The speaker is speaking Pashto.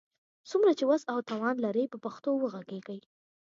څومره چي وس او توان لرئ، په پښتو وږغېږئ!